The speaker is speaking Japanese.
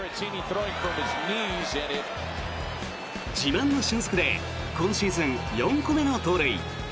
自慢の俊足で今シーズン４個目の盗塁。